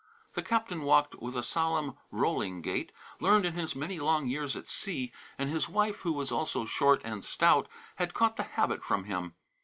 The captain walked with a solemn, rolling gait, learned in his many long years at sea, and his wife, who was also short and stout, had caught the habit from him.